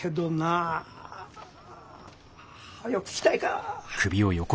はよ聞きたいか？